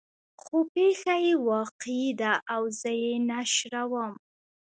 خو پېښه يې واقعي ده او زه یې نشروم.